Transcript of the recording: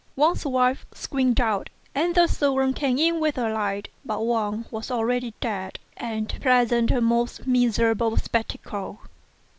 Wang's wife screamed out, and the servant came in with a light; but Wang was already dead and presented a most miserable spectacle.